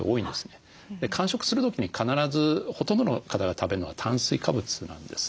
間食する時に必ずほとんどの方が食べるのは炭水化物なんです。